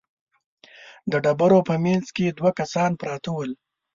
د ډبرو په مينځ کې دوه کسان پراته ول.